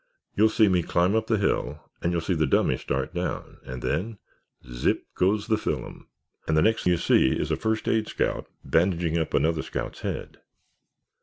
You'll see me climb up the hill and you'll see the dummy start down, and then—zip, goes the fillum—and the next you see is a first aid scout bandaging up another scout's head."